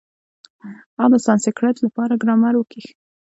هغه د سانسکرېټ له پاره ګرامر وکېښ.